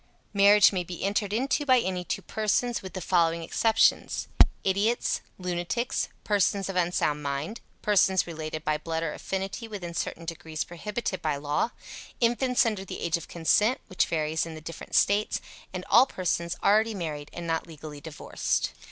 Marriage may be entered into by any two persons, with the following exceptions: Idiots, lunatics, persons of unsound mind, persons related by blood or affinity within certain degrees prohibited by law, infants under the age of consent, which varies in the different States, and all persons already married and not legally divorced.